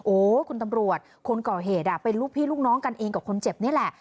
โอ้คุณตำรวจคนก่อเหตุเป็นลูกพี่ลูกน้องกันเองกับคนเจ็บนี่แหละ